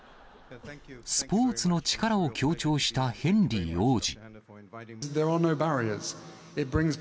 スポーツの力を強調したヘンリー王子。